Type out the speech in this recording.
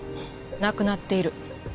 亡くなっている。